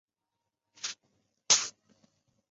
一路超冷才对